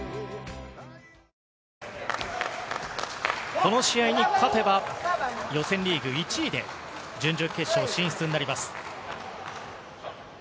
この試合に勝てば予選リーグ１位で準々決勝進出になります。